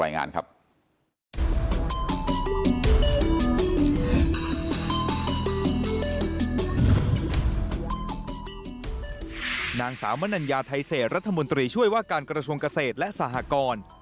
นางสาวนัญญาไทยเศษรัฐมนตรีช่วยว่าการกระทรวงเกษตรและสหกร